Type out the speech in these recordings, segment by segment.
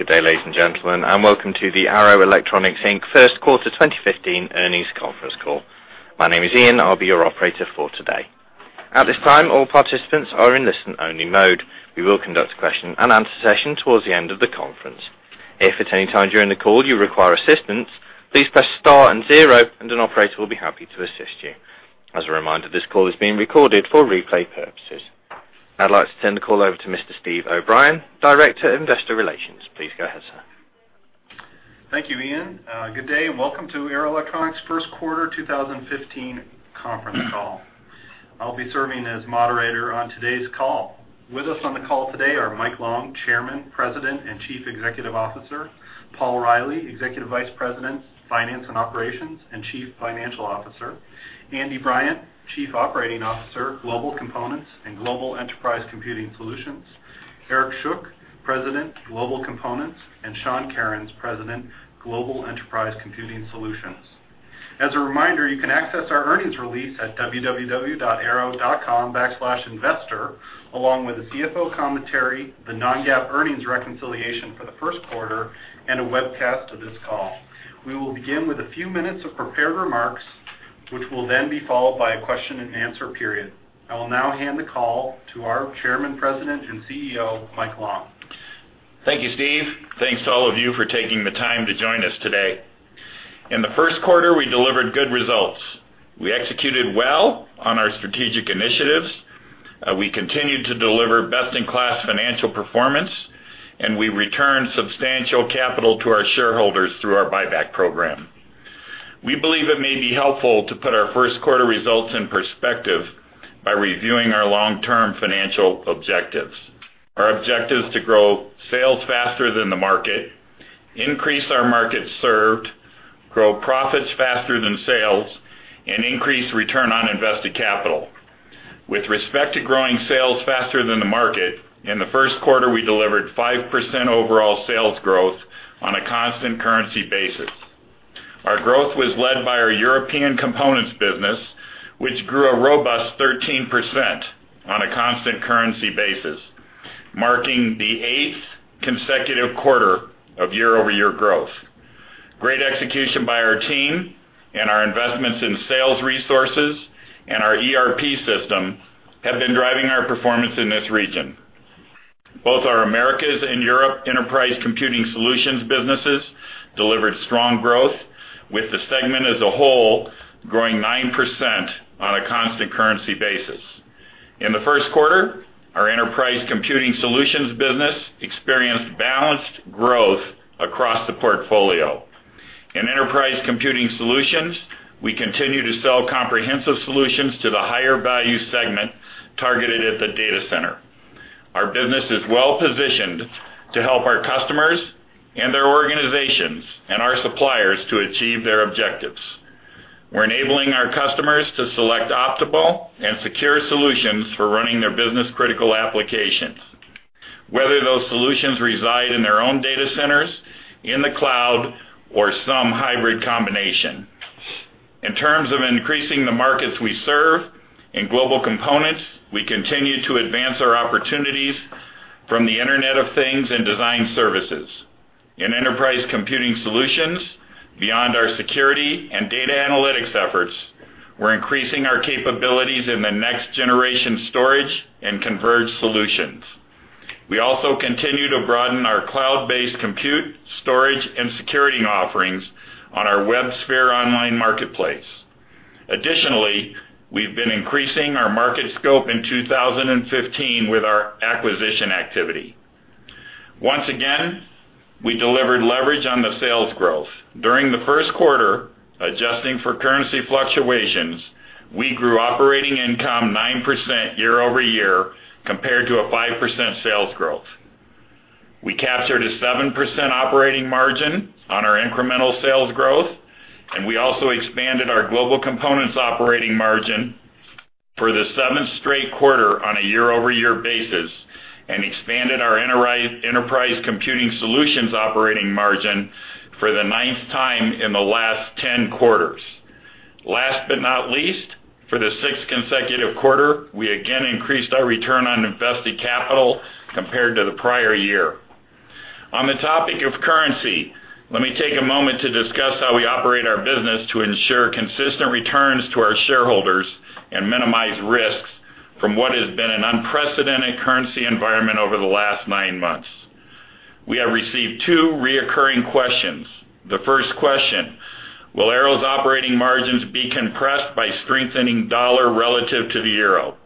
Good day, ladies and gentlemen, and welcome to the Arrow Electronics Inc. First Quarter 2015 Earnings Conference Call. My name is Ian. I'll be your operator for today. At this time, all participants are in listen-only mode. We will conduct a question-and-answer session towards the end of the conference. If at any time during the call you require assistance, please press Star and zero, and an operator will be happy to assist you. As a reminder, this call is being recorded for replay purposes. I'd like to turn the call over to Mr. Steve O'Brien, Director of Investor Relations. Please go ahead, sir. Thank you, Ian. Good day, and welcome to Arrow Electronics' First Quarter 2015 conference call. I'll be serving as moderator on today's call. With us on the call today are Mike Long, Chairman, President, and Chief Executive Officer, Paul Reilly, Executive Vice President, Finance and Operations, and Chief Financial Officer, Andy Bryant, Chief Operating Officer, Global Components and Global Enterprise Computing Solutions, Eric Schuck, President, Global Components, and Sean Kerins, President, Global Enterprise Computing Solutions. As a reminder, you can access our earnings release at www.arrow.com/investor, along with the CFO commentary, the non-GAAP earnings reconciliation for the first quarter, and a webcast of this call. We will begin with a few minutes of prepared remarks, which will then be followed by a question-and-answer period. I will now hand the call to our Chairman, President, and CEO, Mike Long. Thank you, Steve. Thanks to all of you for taking the time to join us today. In the first quarter, we delivered good results. We executed well on our strategic initiatives, we continued to deliver best-in-class financial performance, and we returned substantial capital to our shareholders through our buyback program. We believe it may be helpful to put our first quarter results in perspective by reviewing our long-term financial objectives. Our objective is to grow sales faster than the market, increase our market served, grow profits faster than sales, and increase return on invested capital. With respect to growing sales faster than the market, in the first quarter, we delivered 5% overall sales growth on a constant currency basis. Our growth was led by our European components business, which grew a robust 13% on a constant currency basis, marking the eighth consecutive quarter of year-over-year growth. Great execution by our team and our investments in sales resources and our ERP system have been driving our performance in this region. Both our Americas and Europe Enterprise Computing Solutions businesses delivered strong growth, with the segment as a whole growing 9% on a constant currency basis. In the first quarter, our Enterprise Computing Solutions business experienced balanced growth across the portfolio. In Enterprise Computing Solutions, we continue to sell comprehensive solutions to the higher value segment targeted at the data center. Our business is well-positioned to help our customers and their organizations and our suppliers to achieve their objectives. We're enabling our customers to select optimal and secure solutions for running their business-critical applications, whether those solutions reside in their own data centers, in the cloud, or some hybrid combination. In terms of increasing the markets we serve, in Global Components, we continue to advance our opportunities from the Internet of Things and design services. In Enterprise Computing Solutions, beyond our security and data analytics efforts, we're increasing our capabilities in the next-generation storage and converged solutions. We also continue to broaden our cloud-based compute, storage, and security offerings on our ArrowSphere online marketplace. Additionally, we've been increasing our market scope in 2015 with our acquisition activity. Once again, we delivered leverage on the sales growth. During the first quarter, adjusting for currency fluctuations, we grew operating income 9% year over year compared to a 5% sales growth. We captured a 7% operating margin on our incremental sales growth, and we also expanded our Global Components operating margin for the seventh straight quarter on a year-over-year basis and expanded our Enterprise Computing Solutions operating margin for the ninth time in the last 10 quarters. Last but not least, for the sixth consecutive quarter, we again increased our return on invested capital compared to the prior year. On the topic of currency, let me take a moment to discuss how we operate our business to ensure consistent returns to our shareholders and minimize risks from what has been an unprecedented currency environment over the last 9 months. We have received 2 recurring questions. The first question: Will Arrow's operating margins be compressed by strengthening U.S. dollar relative to the euro?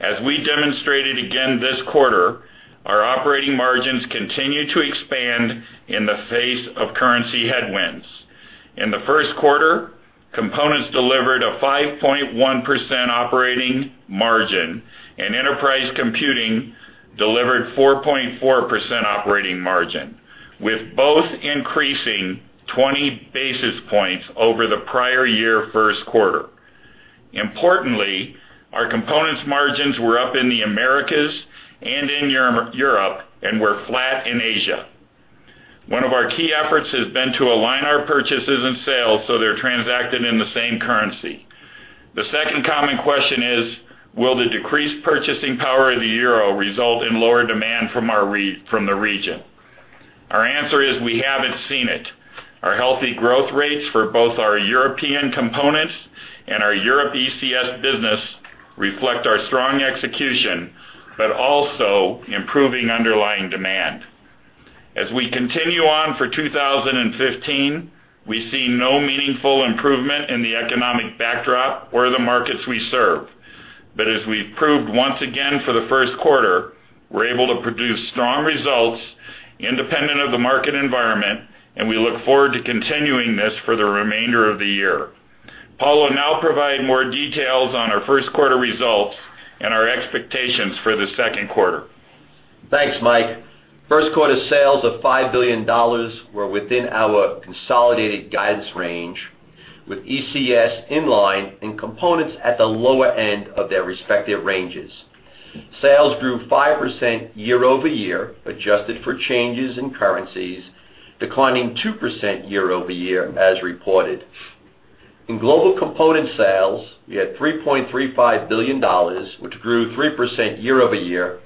As we demonstrated again this quarter, our operating margins continue to expand in the face of currency headwinds. In the first quarter, Components delivered a 5.1% operating margin, and Enterprise Computing delivered a 4.4% operating margin, with both increasing 20 basis points over the prior year first quarter. Importantly, our Components margins were up in the Americas and in Europe, and we're flat in Asia. One of our key efforts has been to align our purchases and sales so they're transacted in the same currency. The second common question is, will the decreased purchasing power of the euro result in lower demand from our from the region? Our answer is we haven't seen it. Our healthy growth rates for both our European components and our Europe ECS business reflect our strong execution, but also improving underlying demand. As we continue on for 2015, we see no meaningful improvement in the economic backdrop or the markets we serve. As we've proved once again for the first quarter, we're able to produce strong results independent of the market environment, and we look forward to continuing this for the remainder of the year. Paul will now provide more details on our first quarter results and our expectations for the second quarter. Thanks, Mike. First quarter sales of $5 billion were within our consolidated guidance range, with ECS in line and components at the lower end of their respective ranges. Sales grew 5% year-over-year, adjusted for changes in currencies, declining 2% year-over-year as reported. In global component sales, we had $3.35 billion, which grew 3% year-over-year,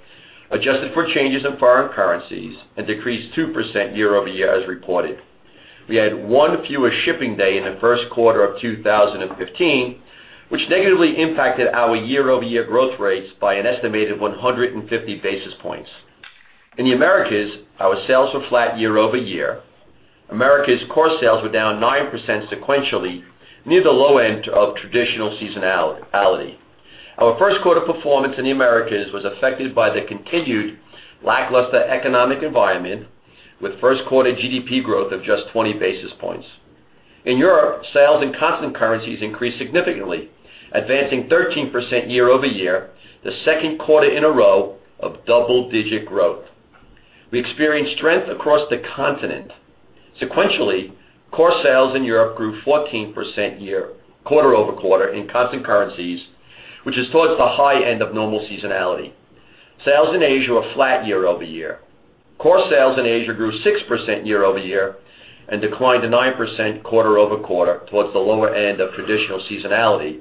adjusted for changes in foreign currencies, and decreased 2% year-over-year as reported. We had one fewer shipping day in the first quarter of 2015, which negatively impacted our year-over-year growth rates by an estimated 150 basis points. In the Americas, our sales were flat year-over-year. Americas core sales were down 9% sequentially, near the low end of traditional seasonality. Our first quarter performance in the Americas was affected by the continued lackluster economic environment, with first quarter GDP growth of just 20 basis points. In Europe, sales in constant currencies increased significantly, advancing 13% year-over-year, the second quarter in a row of double-digit growth. We experienced strength across the continent. Sequentially, core sales in Europe grew 14% quarter-over-quarter in constant currencies, which is towards the high end of normal seasonality. Sales in Asia were flat year-over-year. Core sales in Asia grew 6% year-over-year and declined 9% quarter-over-quarter, towards the lower end of traditional seasonality,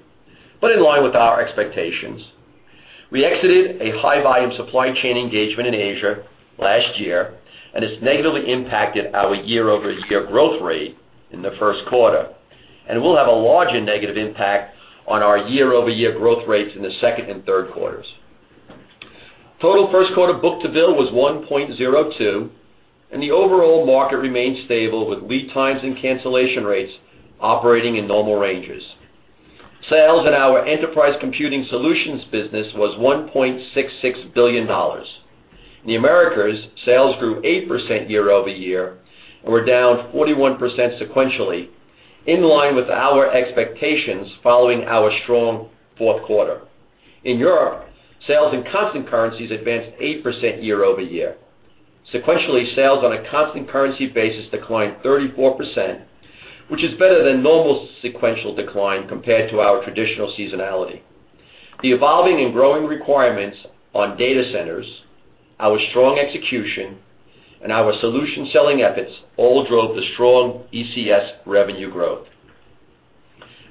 but in line with our expectations. We exited a high volume supply chain engagement in Asia last year, and it's negatively impacted our year-over-year growth rate in the first quarter, and will have a larger negative impact on our year-over-year growth rates in the second and third quarters. Total first quarter book-to-bill was 1.02, and the overall market remained stable, with lead times and cancellation rates operating in normal ranges. Sales in our Enterprise Computing Solutions business was $1.66 billion. In the Americas, sales grew 8% year-over-year and were down 41% sequentially, in line with our expectations following our strong fourth quarter. In Europe, sales in constant currencies advanced 8% year-over-year. Sequentially, sales on a constant currency basis declined 34%, which is better than normal sequential decline compared to our traditional seasonality. The evolving and growing requirements on data centers, our strong execution, and our solution selling efforts all drove the strong ECS revenue growth.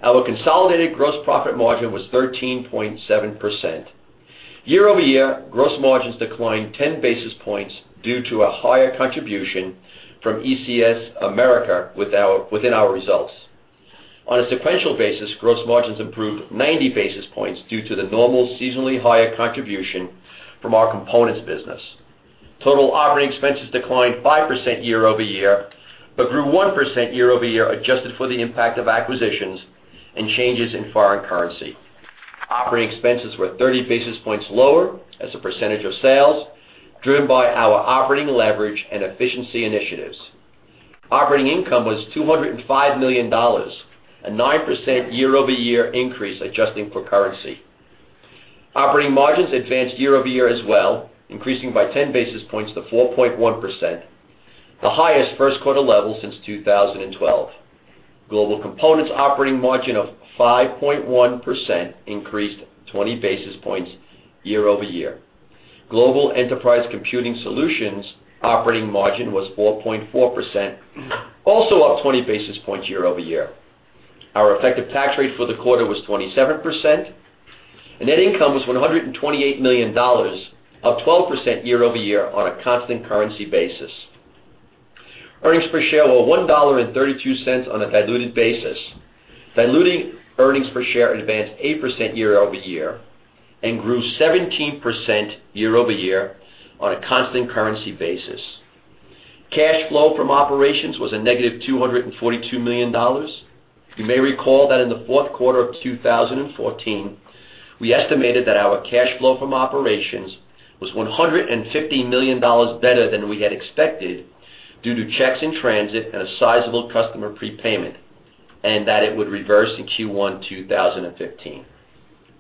Our consolidated gross profit margin was 13.7%. Year-over-year, gross margins declined 10 basis points due to a higher contribution from ECS America within our results. On a sequential basis, gross margins improved 90 basis points due to the normal seasonally higher contribution from our components business. Total operating expenses declined 5% year-over-year, but grew 1% year-over-year, adjusted for the impact of acquisitions and changes in foreign currency. Operating expenses were 30 basis points lower as a percentage of sales, driven by our operating leverage and efficiency initiatives. Operating income was $205 million, a 9% year-over-year increase, adjusting for currency. Operating margins advanced year-over-year as well, increasing by 10 basis points to 4.1%, the highest first quarter level since 2012. Global Components operating margin of 5.1% increased 20 basis points year-over-year. Global Enterprise Computing Solutions operating margin was 4.4%, also up 20 basis points year-over-year. Our effective tax rate for the quarter was 27%, and net income was $128 million, up 12% year-over-year on a constant currency basis. Earnings per share were $1.32 on a diluted basis. Diluted earnings per share advanced 8% year-over-year and grew 17% year-over-year on a constant currency basis. Cash flow from operations was -$242 million. You may recall that in the fourth quarter of 2014, we estimated that our cash flow from operations was $150 million better than we had expected due to checks in transit and a sizable customer prepayment, and that it would reverse in Q1 2015.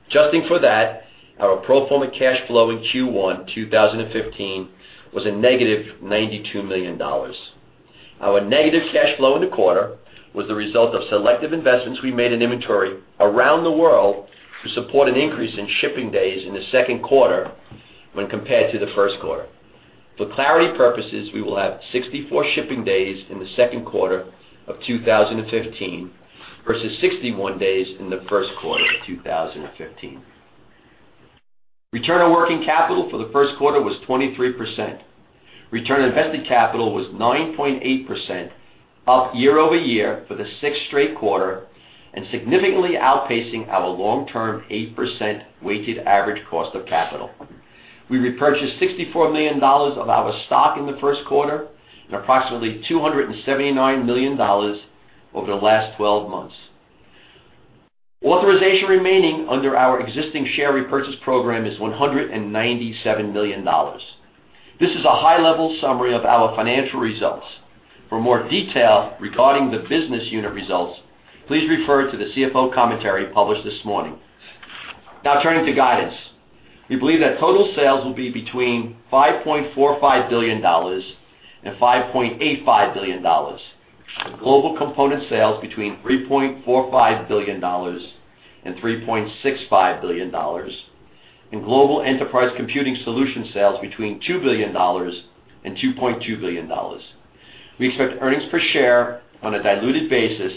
Adjusting for that, our pro forma cash flow in Q1 2015 was a negative $92 million. Our negative cash flow in the quarter was the result of selective investments we made in inventory around the world to support an increase in shipping days in the second quarter when compared to the first quarter. For clarity purposes, we will have 64 shipping days in the second quarter of 2015, versus 61 days in the first quarter of 2015. Return on working capital for the first quarter was 23%. Return on invested capital was 9.8%, up year-over-year for the sixth straight quarter, and significantly outpacing our long-term 8% weighted average cost of capital. We repurchased $64 million of our stock in the first quarter and approximately $279 million over the last twelve months. Authorization remaining under our existing share repurchase program is $197 million. This is a high-level summary of our financial results. For more detail regarding the business unit results, please refer to the CFO commentary published this morning. Now turning to guidance. We believe that total sales will be between $5.45 billion and $5.85 billion, with global component sales between $3.45 billion and $3.65 billion, and global enterprise computing solution sales between $2 billion and $2.2 billion. We expect earnings per share on a diluted basis,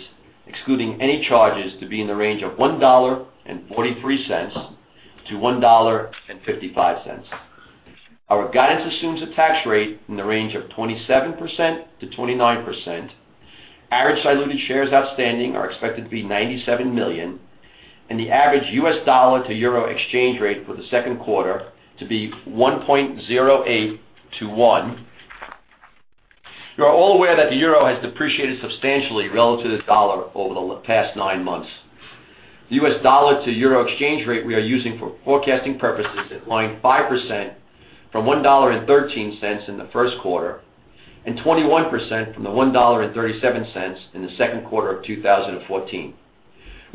excluding any charges to be in the range of $1.43-$1.55. Our guidance assumes a tax rate in the range of 27%-29%. Average diluted shares outstanding are expected to be 97 million, and the average U.S. dollar to euro exchange rate for the second quarter to be 1.08 to 1. You are all aware that the euro has depreciated substantially relative to the dollar over the past nine months. The U.S. dollar to euro exchange rate we are using for forecasting purposes is declining 5% from $1.13 in the first quarter, and 21% from the $1.37 in the second quarter of 2014.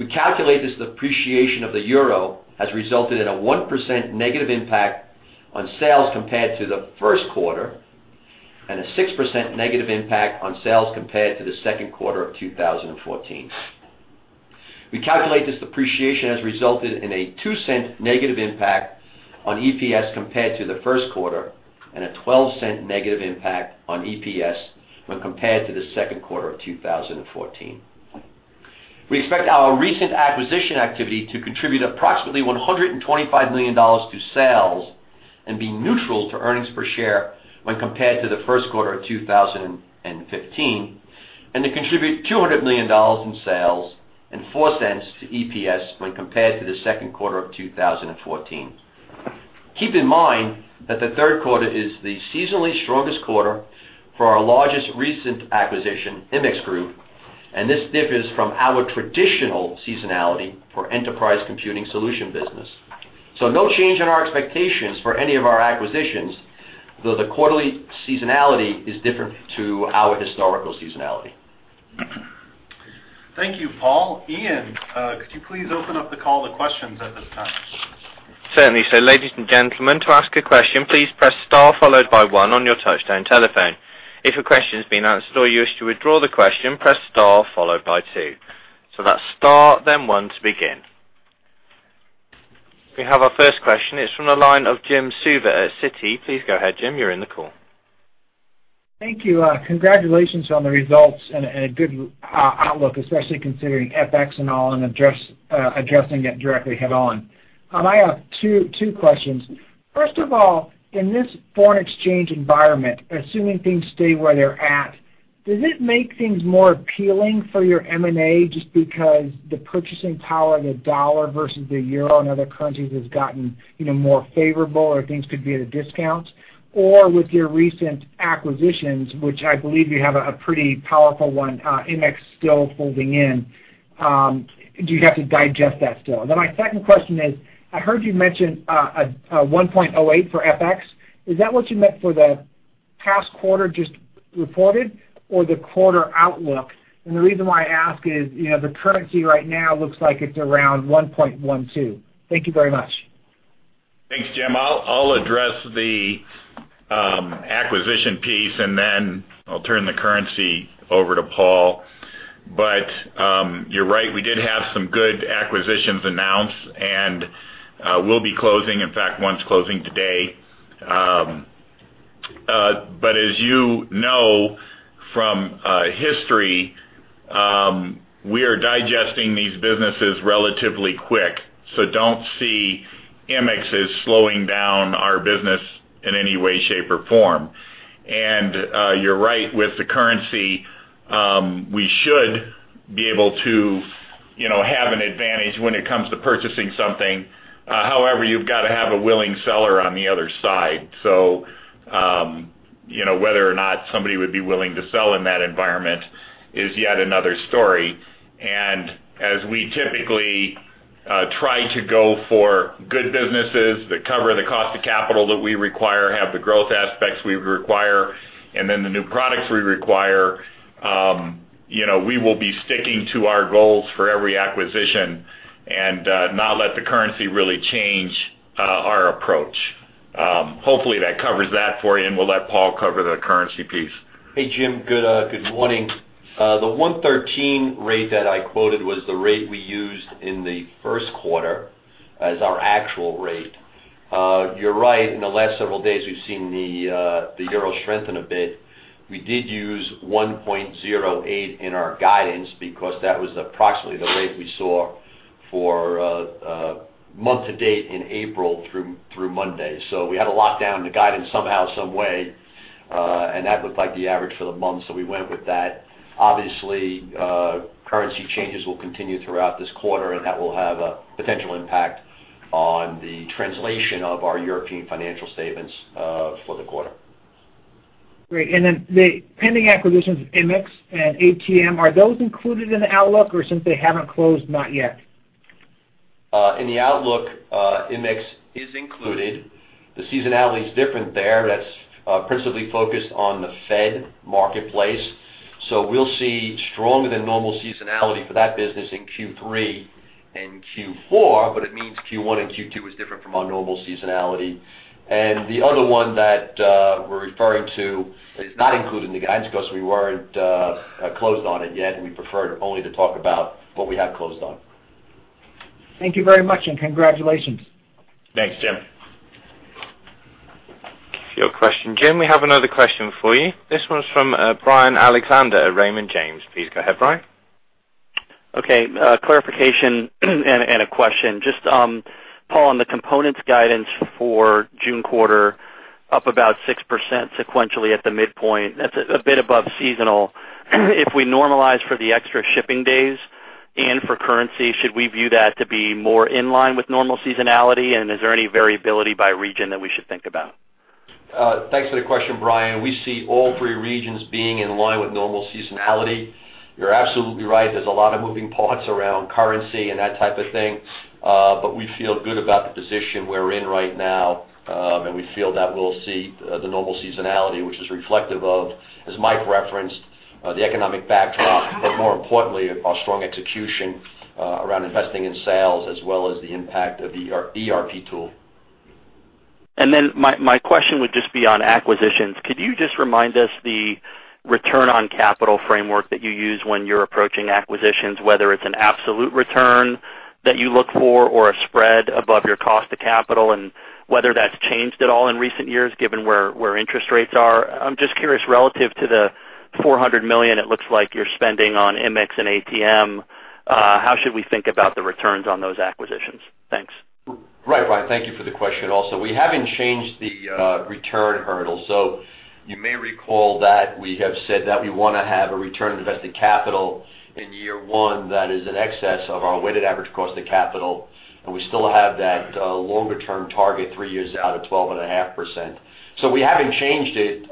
We calculate this depreciation of the euro has resulted in a 1% negative impact on sales compared to the first quarter, and a 6% negative impact on sales compared to the second quarter of 2014. We calculate this depreciation has resulted in a $0.02 negative impact on EPS compared to the first quarter, and a $0.12 negative impact on EPS when compared to the second quarter of 2014. We expect our recent acquisition activity to contribute approximately $125 million to sales and be neutral to earnings per share when compared to the first quarter of 2015, and to contribute $200 million in sales and $0.04 to EPS when compared to the second quarter of 2014. Keep in mind that the third quarter is the seasonally strongest quarter for our largest recent acquisition, immixGroup, and this differs from our traditional seasonality for enterprise computing solution business. So no change in our expectations for any of our acquisitions, though the quarterly seasonality is different to our historical seasonality. Thank you, Paul. Ian, could you please open up the call to questions at this time? Certainly. So ladies and gentlemen, to ask a question, please press star followed by one on your touchtone telephone. If a question's been answered or you wish to withdraw the question, press star followed by two. So that's star, then one to begin. We have our first question. It's from the line of Jim Suva at Citi. Please go ahead, Jim, you're in the call. Thank you. Congratulations on the results and a good outlook, especially considering FX and all, and addressing it directly head-on. I have two questions. First of all, in this foreign exchange environment, assuming things stay where they're at, does it make things more appealing for your M&A just because the purchasing power of the dollar versus the euro and other currencies has gotten even more favorable, or things could be at a discount? Or with your recent acquisitions, which I believe you have a pretty powerful one, Immix still folding in, do you have to digest that still? Then my second question is, I heard you mention a 1.08 for FX. Is that what you meant for the past quarter just reported or the quarter outlook? The reason why I ask is, you know, the currency right now looks like it's around 1.12. Thank you very much. Thanks, Jim. I'll address the acquisition piece, and then I'll turn the currency over to Paul. But you're right, we did have some good acquisitions announced, and we'll be closing, in fact, one's closing today. But as you know from history, we are digesting these businesses relatively quick, so don't see immixGroup as slowing down our business in any way, shape, or form. And you're right, with the currency, we should be able to, you know, have an advantage when it comes to purchasing something. However, you've got to have a willing seller on the other side. So, you know, whether or not somebody would be willing to sell in that environment is yet another story. As we typically try to go for good businesses that cover the cost of capital that we require, have the growth aspects we require, and then the new products we require, you know, we will be sticking to our goals for every acquisition and not let the currency really change our approach. Hopefully, that covers that for you, and we'll let Paul cover the currency piece. Hey, Jim, good morning. The 1.13 rate that I quoted was the rate we used in the first quarter as our actual rate. You're right, in the last several days, we've seen the euro strengthen a bit. We did use 1.08 in our guidance because that was approximately the rate we saw for month to date in April through Monday. So we had to lock down the guidance somehow, some way, and that looked like the average for the month, so we went with that. Obviously, currency changes will continue throughout this quarter, and that will have a potential impact on the translation of our European financial statements for the quarter. Great. And then the pending acquisitions of immixGroup and ATM, are those included in the outlook, or since they haven't closed, not yet? In the outlook, Immix is included. The seasonality is different there. That's principally focused on the Fed marketplace. So we'll see stronger than normal seasonality for that business in Q3 and Q4, but it means Q1 and Q2 is different from our normal seasonality. And the other one that we're referring to is not included in the guidance, because we weren't closed on it yet, and we preferred only to talk about what we have closed on. Thank you very much, and congratulations. Thanks, Jim. Your question, Jim. We have another question for you. This one's from, Brian Alexander at Raymond James. Please go ahead, Brian. Okay, clarification and a question. Just, Paul, on the components guidance for June quarter, up about 6% sequentially at the midpoint, that's a bit above seasonal. If we normalize for the extra shipping days and for currency, should we view that to be more in line with normal seasonality? And is there any variability by region that we should think about? Thanks for the question, Brian. We see all three regions being in line with normal seasonality. You're absolutely right, there's a lot of moving parts around currency and that type of thing, but we feel good about the position we're in right now, and we feel that we'll see the normal seasonality, which is reflective of, as Mike referenced, the economic backdrop, but more importantly, our strong execution around investing in sales as well as the impact of the ERP tool. Then my question would just be on acquisitions. Could you just remind us the return on capital framework that you use when you're approaching acquisitions, whether it's an absolute return that you look for, or a spread above your cost of capital, and whether that's changed at all in recent years, given where interest rates are? I'm just curious, relative to the $400 million it looks like you're spending on Immix and ATM, how should we think about the returns on those acquisitions? Thanks. Right, Brian, thank you for the question also. We haven't changed the return hurdle. So you may recall that we have said that we wanna have a return on invested capital in year one that is in excess of our weighted average cost of capital, and we still have that longer-term target, three years out of 12.5%. So we haven't changed it,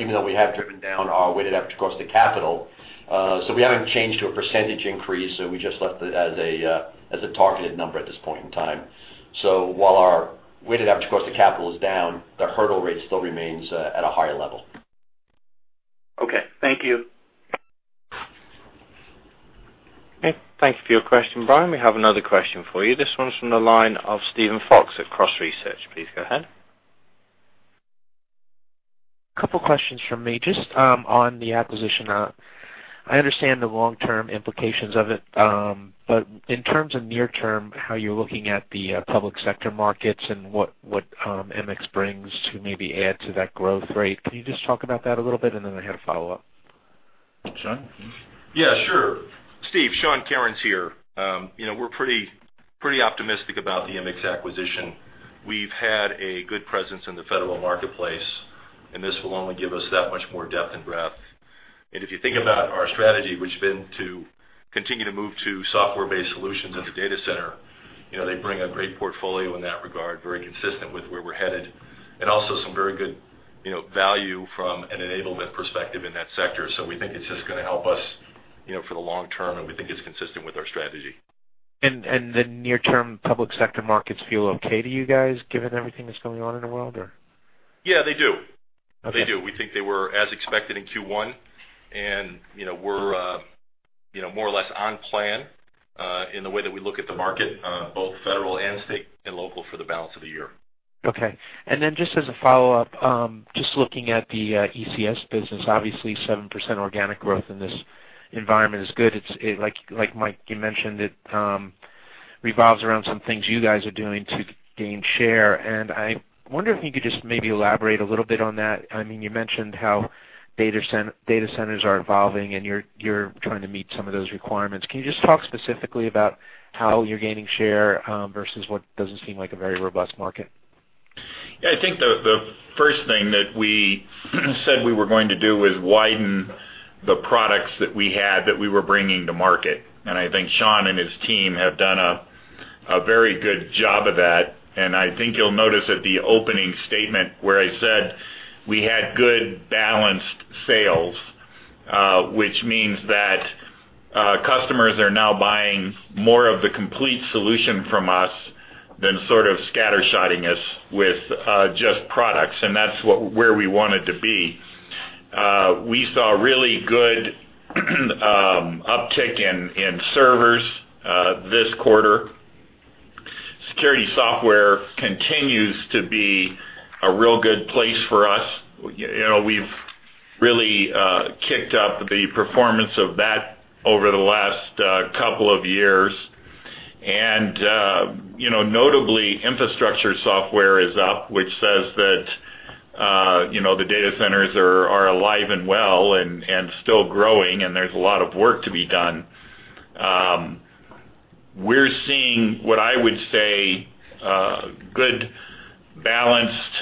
even though we have driven down our weighted average cost of capital, so we haven't changed to a percentage increase, so we just left it as a, as a targeted number at this point in time. So while our weighted average cost of capital is down, the hurdle rate still remains at a higher level. Okay, thank you. Okay, thank you for your question, Brian. We have another question for you. This one's from the line of Steven Fox at Cross Research. Please go ahead. Couple questions from me. Just on the acquisition, I understand the long-term implications of it, but in terms of near term, how you're looking at the public sector markets and what immixGroup brings to maybe add to that growth rate, can you just talk about that a little bit? And then I had a follow-up. Sean? Yeah, sure. Steve, Sean Kerins here. You know, we're pretty optimistic about the immixGroup acquisition. We've had a good presence in the federal marketplace, and this will only give us that much more depth and breadth. And if you think about our strategy, which has been to continue to move to software-based solutions in the data center, you know, they bring a great portfolio in that regard, very consistent with where we're headed, and also some very good, you know, value from an enablement perspective in that sector. So we think it's just gonna help us, you know, for the long term, and we think it's consistent with our strategy. And the near-term public sector markets feel okay to you guys, given everything that's going on in the world, or? Yeah, they do. Okay. They do. We think they were as expected in Q1, and, you know, we're, you know, more or less on plan in the way that we look at the market, both federal and state and local for the balance of the year. Okay. And then just as a follow-up, just looking at the ECS business, obviously, 7% organic growth in this environment is good. It's like Mike you mentioned, it revolves around some things you guys are doing to gain share, and I wonder if you could just maybe elaborate a little bit on that. I mean, you mentioned how data centers are evolving, and you're trying to meet some of those requirements. Can you just talk specifically about how you're gaining share versus what doesn't seem like a very robust market? Yeah, I think the first thing that we said we were going to do was widen the products that we had that we were bringing to market. And I think Sean and his team have done a very good job of that. And I think you'll notice at the opening statement where I said we had good, balanced sales, which means that customers are now buying more of the complete solution from us than sort of scattershotting us with just products, and that's where we wanted to be. We saw really good uptick in servers this quarter. Security software continues to be a real good place for us. You know, we've-... really, kicked up the performance of that over the last couple of years. And you know, notably, infrastructure software is up, which says that you know, the data centers are alive and well and still growing, and there's a lot of work to be done. We're seeing what I would say good balanced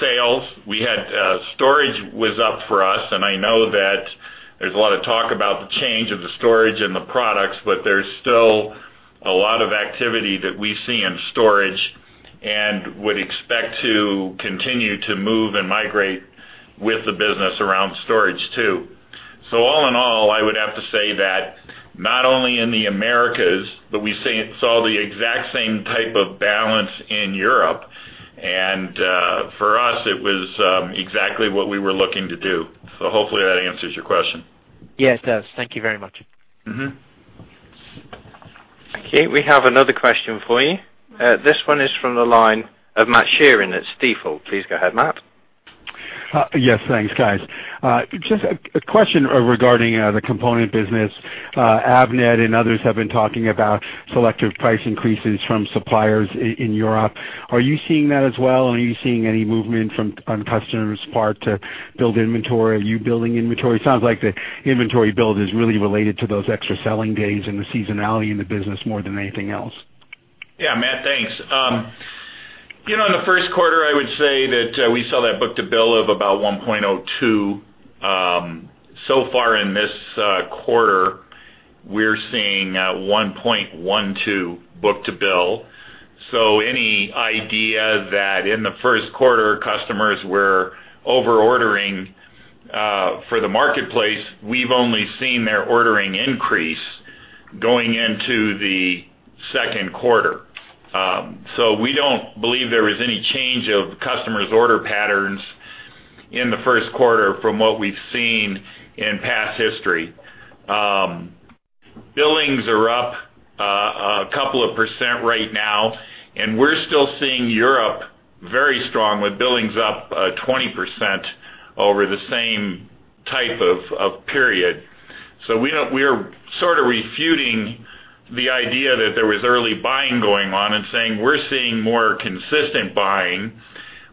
sales. We had storage was up for us, and I know that there's a lot of talk about the change of the storage and the products, but there's still a lot of activity that we see in storage, and would expect to continue to move and migrate with the business around storage, too. So all in all, I would have to say that not only in the Americas, but we saw the exact same type of balance in Europe, and for us, it was exactly what we were looking to do. So hopefully that answers your question. Yes, it does. Thank you very much. Mm-hmm. Okay, we have another question for you. This one is from the line of Matt Sheerin at Stifel. Please go ahead, Matt. Yes, thanks, guys. Just a question regarding the component business. Avnet and others have been talking about selective price increases from suppliers in Europe. Are you seeing that as well, and are you seeing any movement on customers' part to build inventory? Are you building inventory? It sounds like the inventory build is really related to those extra selling days and the seasonality in the business more than anything else. Yeah, Matt, thanks. You know, in the first quarter, I would say that, we saw that book-to-bill of about 1.02. So far in this, quarter, we're seeing, 1.12 book-to-bill. So any idea that in the first quarter, customers were over-ordering, for the marketplace, we've only seen their ordering increase going into the second quarter. So we don't believe there was any change of customers' order patterns in the first quarter from what we've seen in past history. Billings are up, a couple of percent right now, and we're still seeing Europe very strong, with billings up, 20% over the same type of period. We are sort of refuting the idea that there was early buying going on and saying we're seeing more consistent buying,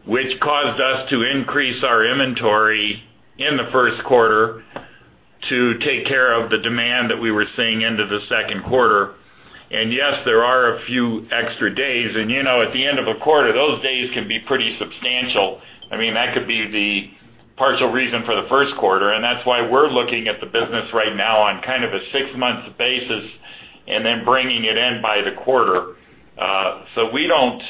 which caused us to increase our inventory in the first quarter to take care of the demand that we were seeing into the second quarter. And yes, there are a few extra days, and, you know, at the end of a quarter, those days can be pretty substantial. I mean, that could be the partial reason for the first quarter, and that's why we're looking at the business right now on kind of a six-month basis, and then bringing it in by the quarter. So we don't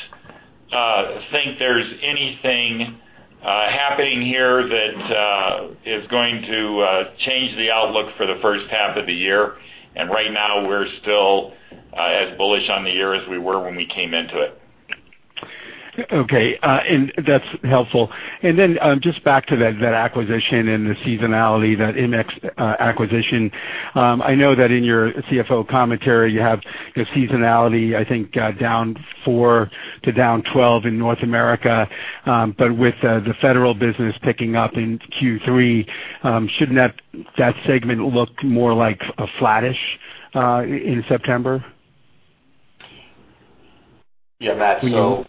think there's anything happening here that is going to change the outlook for the first half of the year. Right now, we're still as bullish on the year as we were when we came into it. Okay, and that's helpful. And then, just back to that, that acquisition and the seasonality, that immix acquisition. I know that in your CFO commentary, you have your seasonality, I think, down 4 to down 12 in North America. But with the federal business picking up in Q3, shouldn't that, that segment look more like a flattish in September? Yeah, Matt. So,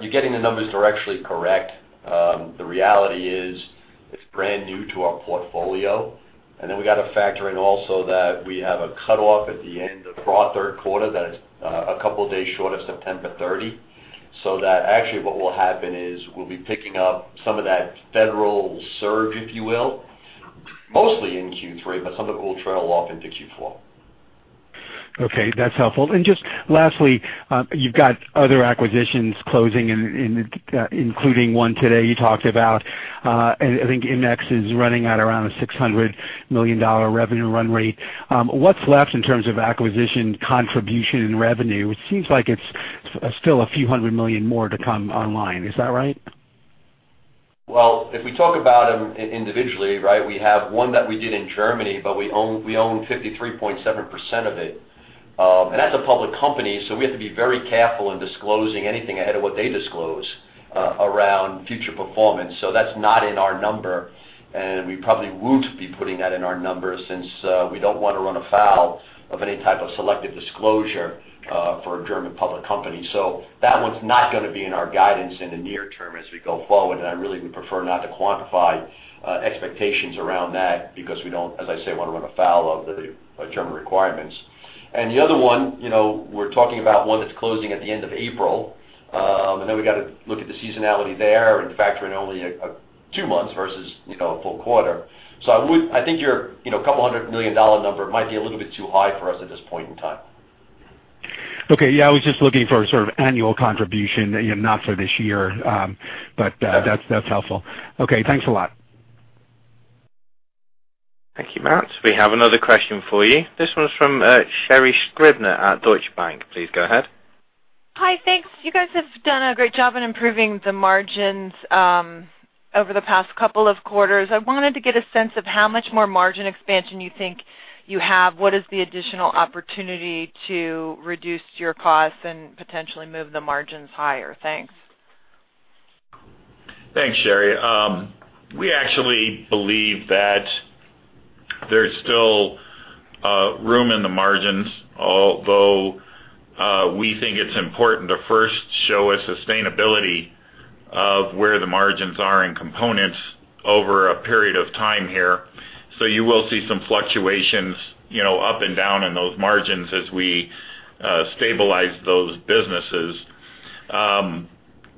you're getting the numbers directly correct. The reality is, it's brand new to our portfolio, and then we got to factor in also that we have a cutoff at the end of our third quarter, that is, a couple of days short of September 30. So that actually what will happen is, we'll be picking up some of that federal surge, if you will, mostly in Q3, but some of it will trail off into Q4. Okay, that's helpful. And just lastly, you've got other acquisitions closing, including one today you talked about, and I think Immix is running at around a $600 million revenue run rate. What's left in terms of acquisition, contribution, and revenue? It seems like it's still a few hundred million more to come online. Is that right? Well, if we talk about them individually, right? We have one that we did in Germany, but we own, we own 53.7% of it. And that's a public company, so we have to be very careful in disclosing anything ahead of what they disclose around future performance. So that's not in our number, and we probably won't be putting that in our numbers since we don't want to run afoul of any type of selective disclosure for a German public company. So that one's not gonna be in our guidance in the near term as we go forward, and I really would prefer not to quantify expectations around that because we don't, as I said, want to run afoul of the German requirements. And the other one, you know, we're talking about one that's closing at the end of April. And then we've got to look at the seasonality there and factor in only a two months versus, you know, a full quarter. So, I would. I think your, you know, $200 million number might be a little bit too high for us at this point in time. Okay, yeah, I was just looking for sort of annual contribution, not for this year, but, that's helpful. Okay, thanks a lot. Thank you, Matt. We have another question for you. This one is from Sherri Scribner at Deutsche Bank. Please go ahead. Hi, thanks. You guys have done a great job in improving the margins over the past couple of quarters. I wanted to get a sense of how much more margin expansion you have, what is the additional opportunity to reduce your costs and potentially move the margins higher? Thanks. Thanks, Sherri. We actually believe that there's still room in the margins, although we think it's important to first show a sustainability of where the margins are in components over a period of time here. So you will see some fluctuations, you know, up and down in those margins as we stabilize those businesses.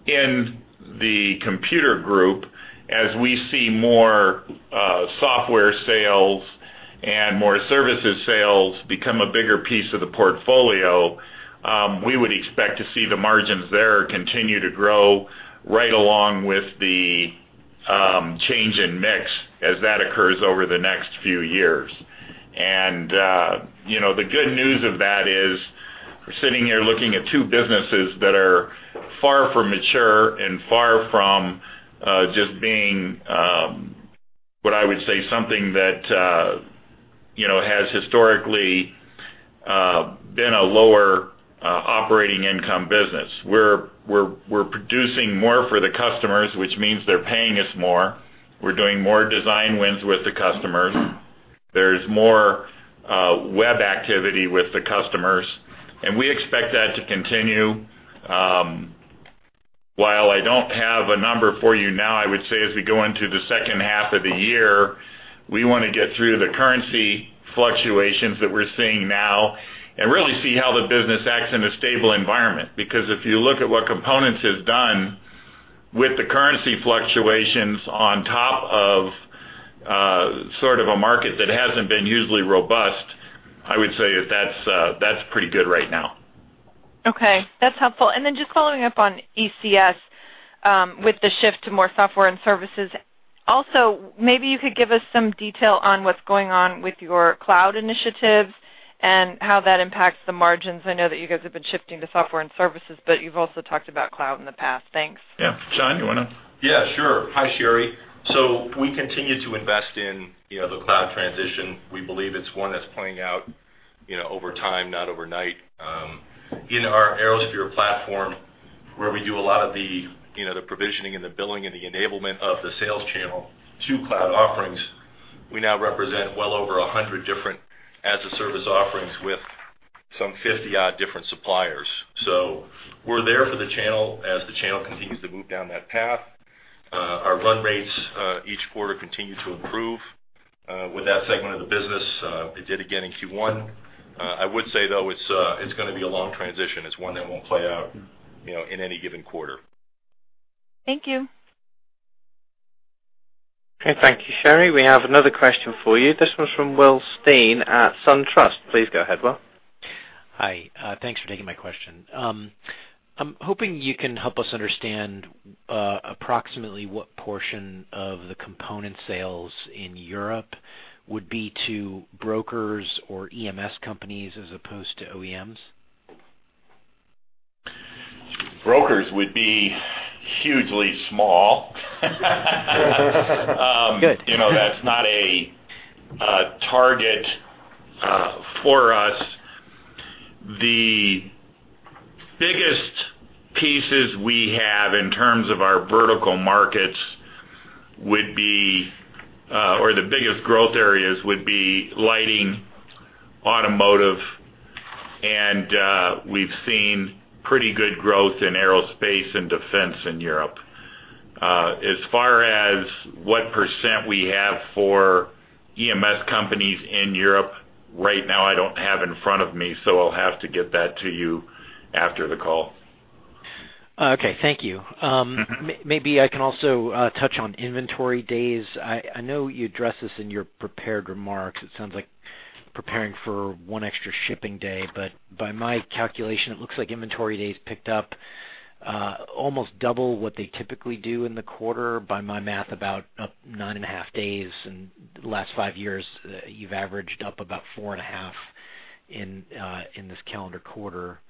In the computer group, as we see more software sales and more services sales become a bigger piece of the portfolio, we would expect to see the margins there continue to grow right along with the change in mix as that occurs over the next few years. You know, the good news of that is we're sitting here looking at two businesses that are far from mature and far from just being what I would say something that you know has historically been a lower operating income business. We're producing more for the customers, which means they're paying us more. We're doing more design wins with the customers. There's more web activity with the customers, and we expect that to continue. While I don't have a number for you now, I would say as we go into the second half of the year, we wanna get through the currency fluctuations that we're seeing now and really see how the business acts in a stable environment. Because if you look at what components has done with the currency fluctuations on top of, sort of a market that hasn't been usually robust, I would say that's, that's pretty good right now. Okay, that's helpful. And then just following up on ECS, with the shift to more software and services. Also, maybe you could give us some detail on what's going on with your cloud initiatives and how that impacts the margins. I know that you guys have been shifting to software and services, but you've also talked about cloud in the past. Thanks. Yeah. Sean, you wanna? Yeah, sure. Hi, Sherri. So we continue to invest in, you know, the cloud transition. We believe it's one that's playing out, you know, over time, not overnight. In our ArrowSphere platform, where we do a lot of the, you know, the provisioning and the billing and the enablement of the sales channel to cloud offerings, we now represent well over 100 different as-a-service offerings with some 50-odd different suppliers. So we're there for the channel as the channel continues to move down that path. Our run rates each quarter continue to improve with that segment of the business; it did again in Q1. I would say, though, it's gonna be a long transition. It's one that won't play out, you know, in any given quarter. Thank you. Okay, thank you, Sherri. We have another question for you. This one's from William Stein at SunTrust. Please go ahead, William. Hi, thanks for taking my question. I'm hoping you can help us understand, approximately what portion of the component sales in Europe would be to brokers or EMS companies as opposed to OEMs? Brokers would be hugely small. Good. You know, that's not a target for us. The biggest pieces we have in terms of our vertical markets would be, or the biggest growth areas would be lighting, automotive, and we've seen pretty good growth in aerospace and defense in Europe. As far as what % we have for EMS companies in Europe right now, I don't have in front of me, so I'll have to get that to you after the call. Okay, thank you. Mm-hmm. Maybe I can also touch on inventory days. I know you addressed this in your prepared remarks. It sounds like preparing for 1 extra shipping day, but by my calculation, it looks like inventory days picked up almost double what they typically do in the quarter. By my math, about 9.5 days, in the last 5 years, you've averaged up about 4.5 in this calendar quarter.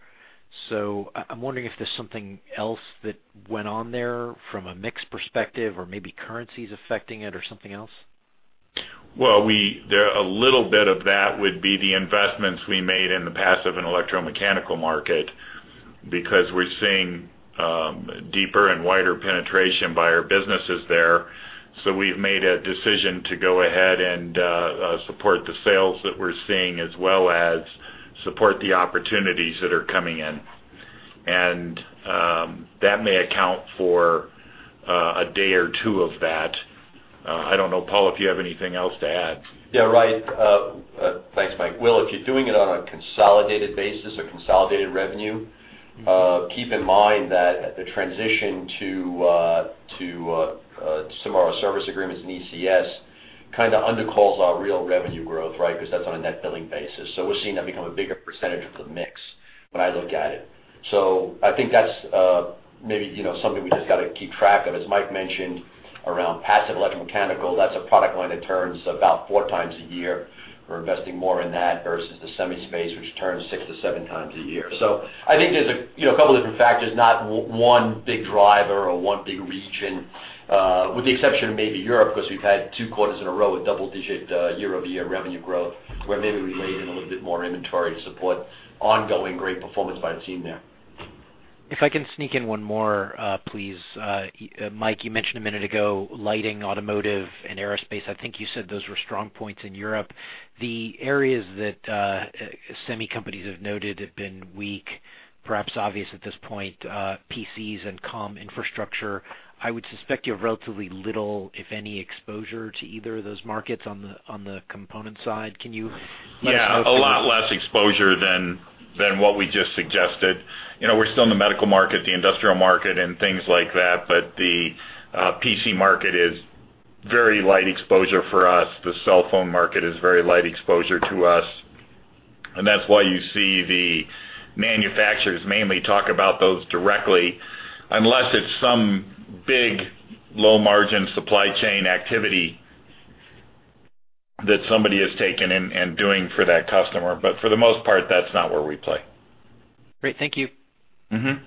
So I'm wondering if there's something else that went on there from a mix perspective or maybe currencies affecting it or something else? Well, there, a little bit of that would be the investments we made in the passive and electromechanical market because we're seeing deeper and wider penetration by our businesses there. So we've made a decision to go ahead and support the sales that we're seeing, as well as support the opportunities that are coming in. And that may account for a day or two of that. I don't know, Paul, if you have anything else to add. Yeah, right. Thanks, Mike. Will, if you're doing it on a consolidated basis or consolidated revenue, keep in mind that the transition to some of our service agreements in ECS kind of undercalls our real revenue growth, right? Because that's on a net billing basis. So we're seeing that become a bigger percentage of the mix when I look at it. So I think that's, maybe, you know, something we just gotta keep track of. As Mike mentioned, around passive electromechanical, that's a product line that turns about four times a year. We're investing more in that versus the semi space, which turns six to seven times a year. So I think there's a, you know, a couple different factors, not one big driver or one big region, with the exception of maybe Europe, because we've had two quarters in a row with double-digit year-over-year revenue growth, where maybe we laid in a little bit more inventory to support ongoing great performance by the team there. ... If I can sneak in one more, please. Mike, you mentioned a minute ago, lighting, automotive, and aerospace. I think you said those were strong points in Europe. The areas that semi companies have noted have been weak, perhaps obvious at this point, PCs and comm infrastructure. I would suspect you have relatively little, if any, exposure to either of those markets on the component side. Can you let us know? Yeah, a lot less exposure than what we just suggested. You know, we're still in the medical market, the industrial market, and things like that, but the PC market is very light exposure for us. The cell phone market is very light exposure to us, and that's why you see the manufacturers mainly talk about those directly, unless it's some big, low-margin supply chain activity that somebody has taken and doing for that customer. But for the most part, that's not where we play. Great. Thank you. Mm-hmm.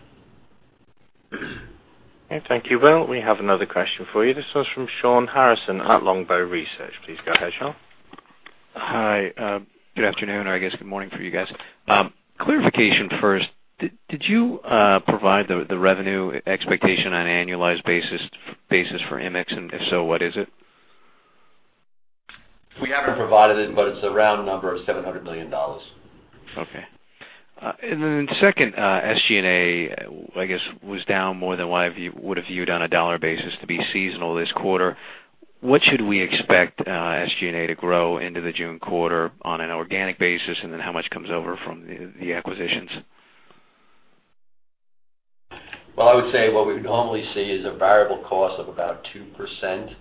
Okay, thank you. Well, we have another question for you. This one's from Shawn Harrison at Longbow Research. Please go ahead, Shawn. Hi. Good afternoon, or I guess good morning for you guys. Clarification first. Did you provide the revenue expectation on an annualized basis for Immix? And if so, what is it? We haven't provided it, but it's a round number of $700 million. Okay. And then second, SG&A, I guess, was down more than what I view- would have viewed on a dollar basis to be seasonal this quarter. What should we expect, SG&A to grow into the June quarter on an organic basis, and then how much comes over from the acquisitions? Well, I would say what we would normally see is a variable cost of about 2%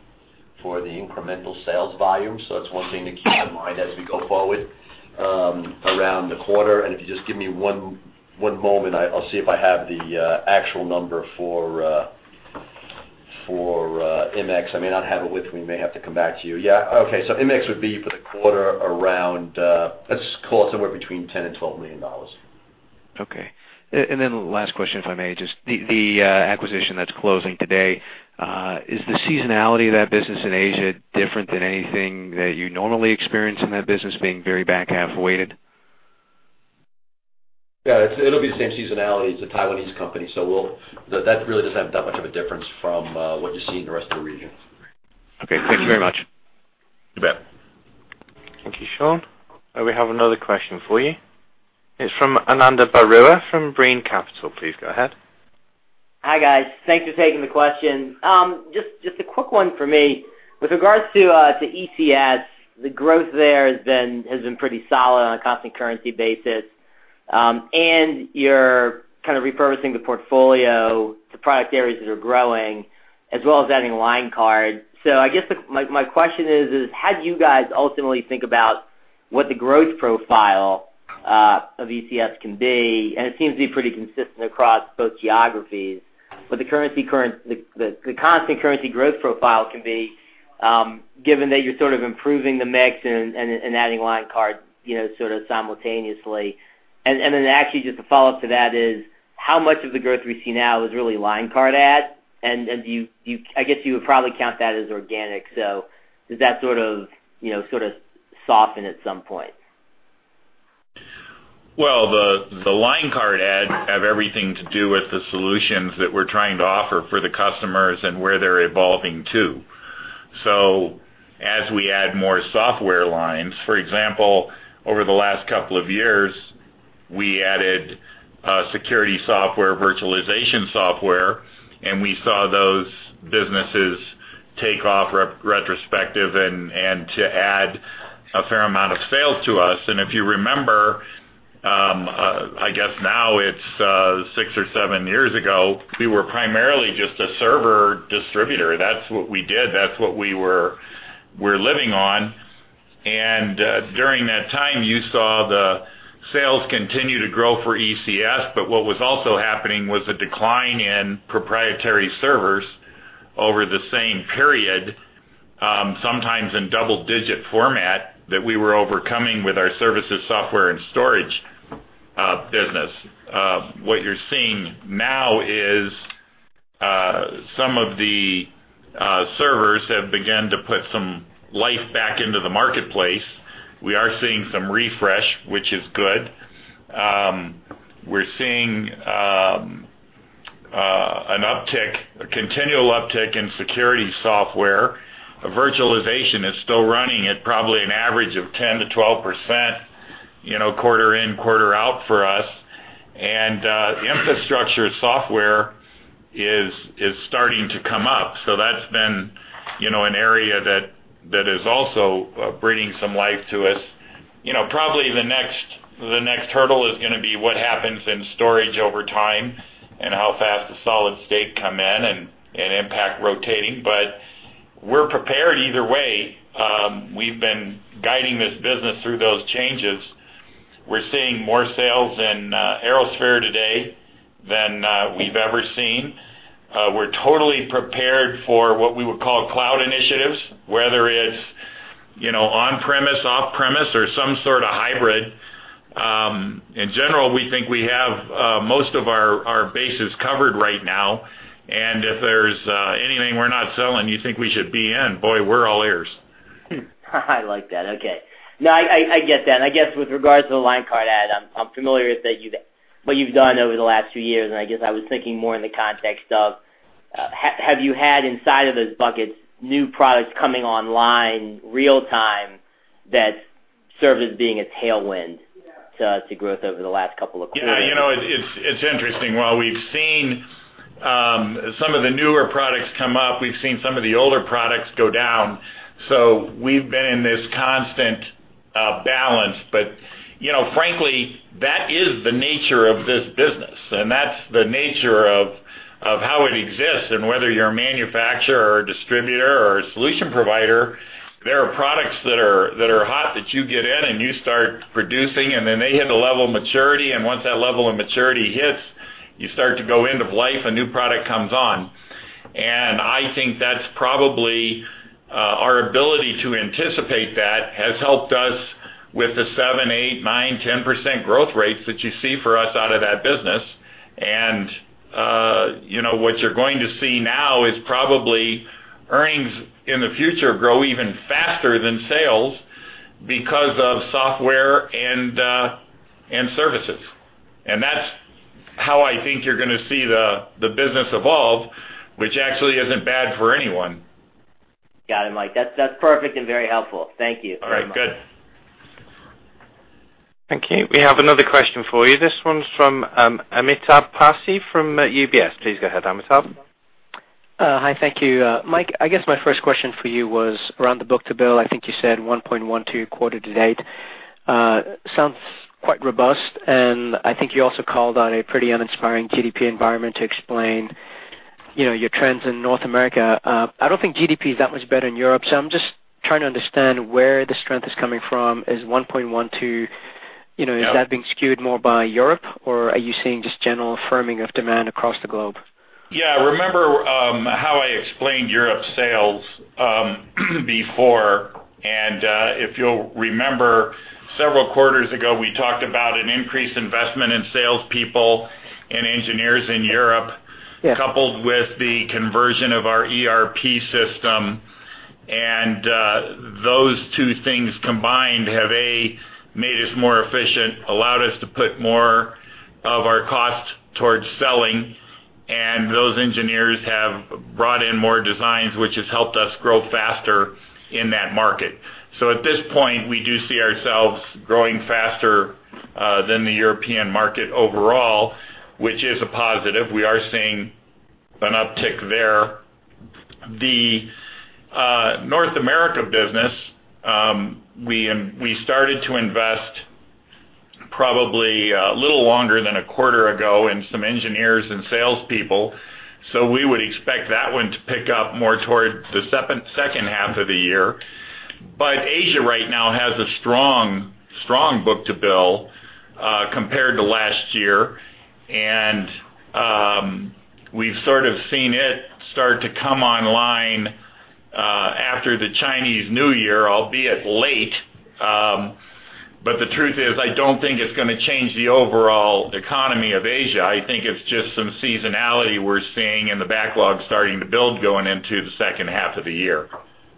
for the incremental sales volume. So that's one thing to keep in mind as we go forward around the quarter. And if you just give me one moment, I'll see if I have the actual number for Immix. I may not have it with me. I may have to come back to you. Yeah. Okay, so Immix would be for the quarter around, let's call it somewhere between $10 million and $12 million. Okay. And then last question, if I may. Just the acquisition that's closing today, is the seasonality of that business in Asia different than anything that you normally experience in that business being very back-half weighted? Yeah, it's, it'll be the same seasonality. It's a Taiwanese company, so we'll... That really doesn't have that much of a difference from what you see in the rest of the region. Okay. Thank you very much. You bet. Thank you, Shawn. We have another question for you. It's from Ananda Baruah from Brean Capital. Please go ahead. Hi, guys. Thanks for taking the question. Just a quick one for me. With regards to ECS, the growth there has been pretty solid on a constant currency basis. And you're kind of repurposing the portfolio to product areas that are growing, as well as adding line card. So I guess my question is: how do you guys ultimately think about what the growth profile of ECS can be? And it seems to be pretty consistent across both geographies. What the constant currency growth profile can be, given that you're sort of improving the mix and adding line card, you know, sort of simultaneously. And then actually, just a follow-up to that is, how much of the growth we see now is really line card add? And do you... I guess you would probably count that as organic, so does that sort of, you know, sort of soften at some point? Well, the line card add have everything to do with the solutions that we're trying to offer for the customers and where they're evolving to. So as we add more software lines, for example, over the last couple of years, we added security software, virtualization software, and we saw those businesses take off retrospectively and to add a fair amount of sales to us. And if you remember, I guess now it's 6 or 7 years ago, we were primarily just a server distributor. That's what we did. That's what we were, we're living on. And during that time, you saw the sales continue to grow for ECS, but what was also happening was a decline in proprietary servers over the same period, sometimes in double-digit format, that we were overcoming with our services, software, and storage business. What you're seeing now is some of the servers have begun to put some life back into the marketplace. We are seeing some refresh, which is good. We're seeing an uptick, a continual uptick in security software. Virtualization is still running at probably an average of 10%-12%, you know, quarter in, quarter out for us. Infrastructure software is starting to come up. So that's been, you know, an area that is also bringing some life to us. You know, probably the next hurdle is gonna be what happens in storage over time and how fast the solid state come in and impact rotating. But we're prepared either way. We've been guiding this business through those changes. We're seeing more sales in ArrowSphere today than we've ever seen. We're totally prepared for what we would call cloud initiatives, whether it's, you know, on-premise, off-premise, or some sort of hybrid. In general, we think we have most of our bases covered right now, and if there's anything we're not selling you think we should be in, boy, we're all ears! I like that. Okay. No, I get that. I guess with regards to the line card, [Adam], I'm familiar with what you've done over the last few years, and I guess I was thinking more in the context of have you had inside of those buckets, new products coming online real time that serve as being a tailwind to growth over the last couple of quarters? Yeah, you know, it's interesting. While we've seen some of the newer products come up, we've seen some of the older products go down, so we've been in this constant balance. But, you know, frankly, that is the nature of this business, and that's the nature of how it exists. And whether you're a manufacturer or a distributor or a solution provider, there are products that are hot, that you get in, and you start producing, and then they hit a level of maturity. And once that level of maturity hits, you start to go end of life, a new product comes on. And I think that's probably our ability to anticipate that has helped us with the 7%-10% growth rates that you see for us out of that business. And, you know, what you're going to see now is probably earnings in the future grow even faster than sales because of software and, and services. And that's how I think you're gonna see the business evolve, which actually isn't bad for anyone. Got it, Mike. That's, that's perfect and very helpful. Thank you. All right, good. Thank you. We have another question for you. This one's from Amitabh Passi from UBS. Please go ahead, Amitabh. Hi. Thank you. Mike, I guess my first question for you was around the book-to-bill. I think you said 1.12 quarter to date. Sounds quite robust, and I think you also called on a pretty uninspiring GDP environment to explain, you know, your trends in North America. I don't think GDP is that much better in Europe, so I'm just trying to understand where the strength is coming from. Is 1.12, you know- Yeah... is that being skewed more by Europe, or are you seeing just general firming of demand across the globe? Yeah, remember how I explained Europe sales before, and if you'll remember, several quarters ago, we talked about an increased investment in salespeople and engineers in Europe- Yeah... coupled with the conversion of our ERP system. And those two things combined have made us more efficient, allowed us to put more of our costs towards selling, and those engineers have brought in more designs, which has helped us grow faster in that market. So at this point, we do see ourselves growing faster than the European market overall, which is a positive. We are seeing an uptick there. The North America business, we started to invest probably a little longer than a quarter ago in some engineers and salespeople, so we would expect that one to pick up more toward the second half of the year. But Asia right now has a strong, strong book-to-bill compared to last year. And we've sort of seen it start to come online after the Chinese New Year, albeit late. But the truth is, I don't think it's gonna change the overall economy of Asia. I think it's just some seasonality we're seeing in the backlog starting to build, going into the second half of the year.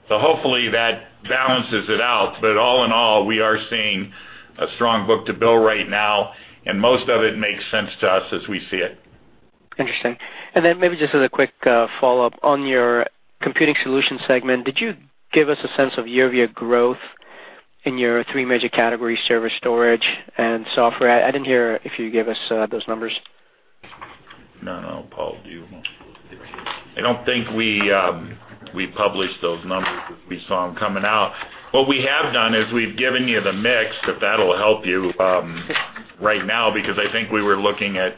So hopefully, that balances it out. But all in all, we are seeing a strong book-to-bill right now, and most of it makes sense to us as we see it. Interesting. And then maybe just as a quick follow-up on your computing solution segment, did you give us a sense of year-over-year growth in your three major categories, server, storage, and software? I didn't hear if you gave us those numbers. No, no, Paul, do you want...? I don't think we published those numbers, if we saw them coming out. What we have done is we've given you the mix, if that'll help you, right now, because I think we were looking at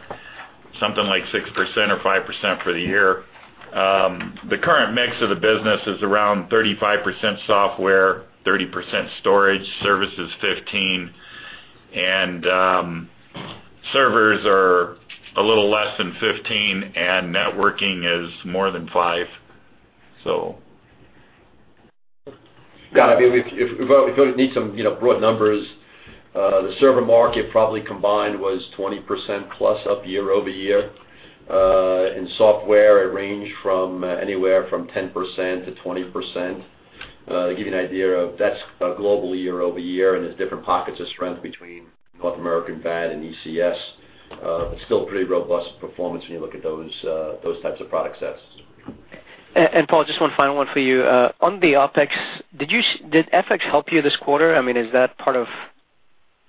something like 6% or 5% for the year. The current mix of the business is around 35% software, 30% storage, services 15%, and servers are a little less than 15%, and networking is more than 5%, so. Got it. If we need some, you know, broad numbers, the server market probably combined was 20% plus up year-over-year. In software, it ranged from anywhere from 10% to 20%. To give you an idea of that's globally, year-over-year, and there's different pockets of strength between North America and Fed and ECS. But still pretty robust performance when you look at those types of product sets. Paul, just one final one for you. On the OpEx, did you, did FX help you this quarter? I mean, is that part of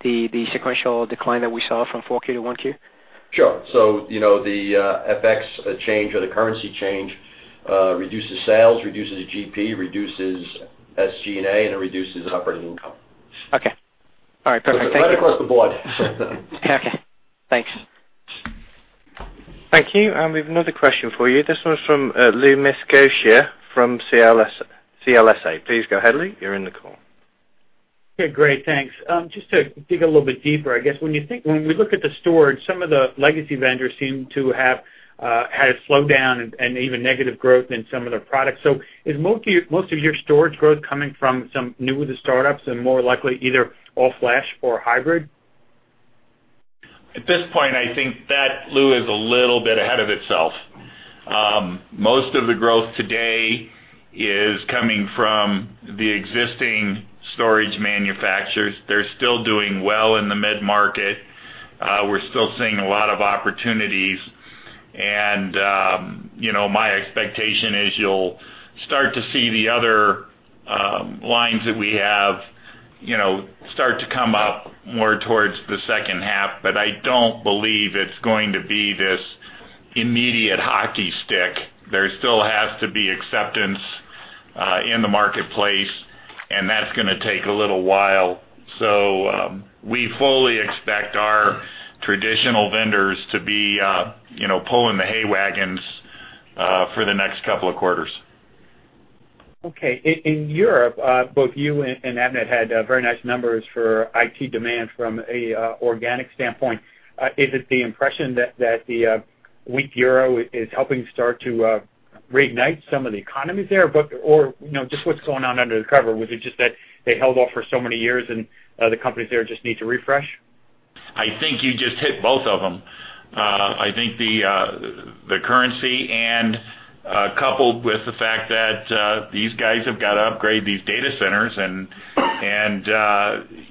the sequential decline that we saw from 4Q to 1Q? Sure. So, you know, the FX change or the currency change reduces sales, reduces the GP, reduces SG&A, and it reduces operating income. Okay. All right, perfect. Right across the board. Okay, thanks. Thank you. And we have another question for you. This one's from Lou Miscioscia from CLSA. CLSA. Please go ahead, Lou. You're in the call. Okay, great, thanks. Just to dig a little bit deeper, I guess, when we look at the storage, some of the legacy vendors seem to have had a slowdown and even negative growth in some of their products. So is most of your storage growth coming from some newer startups and more likely either all-flash or hybrid? ...At this point, I think that, Lou, is a little bit ahead of itself. Most of the growth today is coming from the existing storage manufacturers. They're still doing well in the mid-market. We're still seeing a lot of opportunities, and, you know, my expectation is you'll start to see the other, lines that we have, you know, start to come up more towards the second half. But I don't believe it's going to be this immediate hockey stick. There still has to be acceptance, in the marketplace, and that's gonna take a little while. So, we fully expect our traditional vendors to be, you know, pulling the hay wagons, for the next couple of quarters. Okay. In Europe, both you and Avnet had very nice numbers for IT demand from an organic standpoint. Is it the impression that the weak euro is helping start to reignite some of the economies there? Or, you know, just what's going on under the cover? Was it just that they held off for so many years, and the companies there just need to refresh? I think you just hit both of them. I think the currency and coupled with the fact that these guys have got to upgrade these data centers and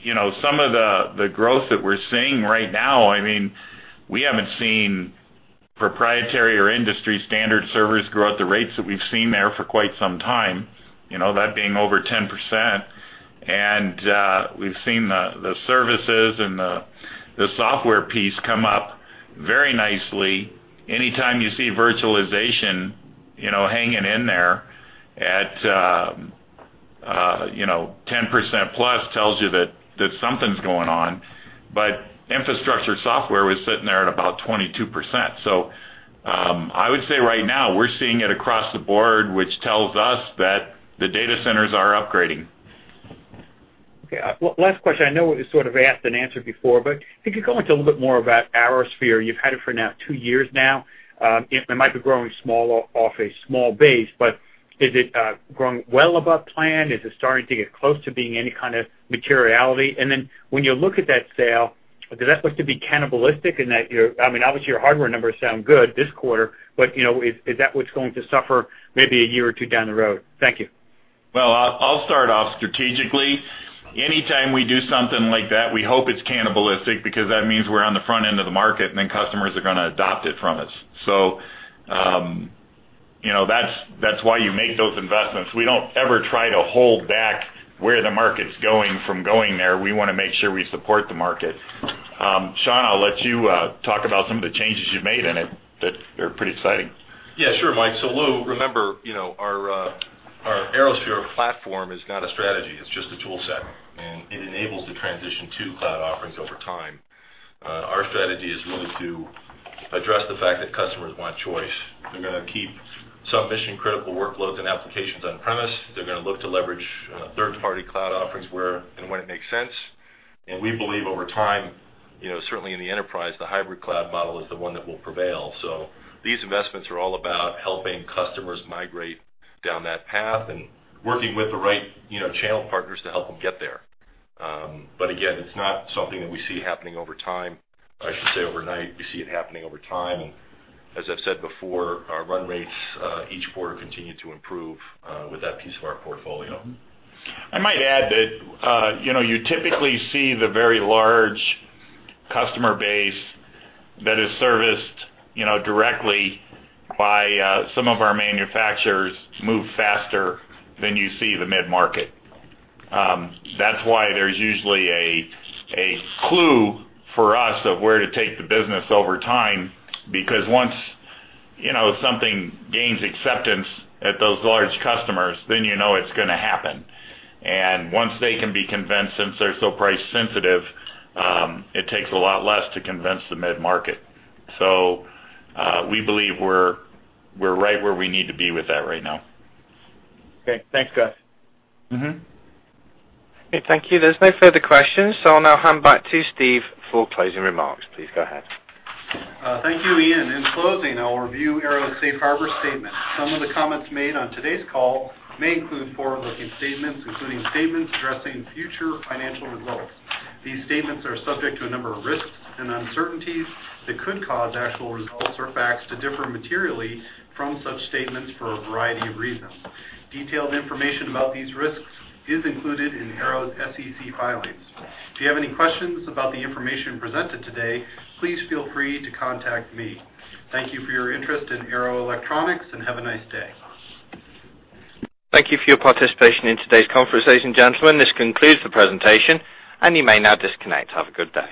you know, some of the growth that we're seeing right now, I mean, we haven't seen proprietary or industry standard servers grow at the rates that we've seen there for quite some time, you know, that being over 10%. And we've seen the services and the software piece come up very nicely. Anytime you see virtualization, you know, hanging in there at you know, 10%+, tells you that something's going on. But infrastructure software was sitting there at about 22%. So, I would say right now, we're seeing it across the board, which tells us that the data centers are upgrading. Okay, last question. I know it was sort of asked and answered before, but if you could go into a little bit more about ArrowSphere. You've had it for now two years now. It might be growing small off a small base, but is it growing well above plan? Is it starting to get close to being any kind of materiality? And then when you look at that sale, does that look to be cannibalistic in that your... I mean, obviously, your hardware numbers sound good this quarter, but, you know, is, is that what's going to suffer maybe a year or two down the road? Thank you. Well, I'll, I'll start off strategically. Anytime we do something like that, we hope it's cannibalistic, because that means we're on the front end of the market, and then customers are gonna adopt it from us. So, you know, that's, that's why you make those investments. We don't ever try to hold back where the market's going from going there. We want to make sure we support the market. Sean, I'll let you talk about some of the changes you've made in it, that are pretty exciting. Yeah, sure, Mike. So Lou, remember, you know, our ArrowSphere platform is not a strategy. It's just a tool set, and it enables the transition to cloud offerings over time. Our strategy is really to address the fact that customers want choice. They're gonna keep some mission-critical workloads and applications on premise. They're gonna look to leverage third-party cloud offerings where and when it makes sense. And we believe over time, you know, certainly in the enterprise, the hybrid cloud model is the one that will prevail. So these investments are all about helping customers migrate down that path and working with the right, you know, channel partners to help them get there. But again, it's not something that we see happening over time. I should say, overnight, we see it happening over time, and as I've said before, our run rates, each quarter continue to improve, with that piece of our portfolio. I might add that, you know, you typically see the very large customer base that is serviced, you know, directly by some of our manufacturers move faster than you see the mid-market. That's why there's usually a clue for us of where to take the business over time, because once, you know, something gains acceptance at those large customers, then you know it's gonna happen. And once they can be convinced, since they're so price sensitive, it takes a lot less to convince the mid-market. So, we believe we're right where we need to be with that right now. Okay. Thanks, guys. Mm-hmm. Okay, thank you. There's no further questions, so I'll now hand back to Steve for closing remarks. Please go ahead. Thank you, Ian. In closing, I'll review Arrow's safe harbor statement. Some of the comments made on today's call may include forward-looking statements, including statements addressing future financial results. These statements are subject to a number of risks and uncertainties that could cause actual results or facts to differ materially from such statements for a variety of reasons. Detailed information about these risks is included in Arrow's SEC filings. If you have any questions about the information presented today, please feel free to contact me. Thank you for your interest in Arrow Electronics, and have a nice day. Thank you for your participation in today's conversation, gentlemen. This concludes the presentation, and you may now disconnect. Have a good day.